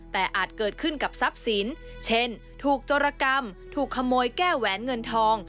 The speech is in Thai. แต่อาจเกิดขึ้นกับทรัพย์สินเช่นถูกโจรกรรมถูกขโมยแก้แหวนเงินทอง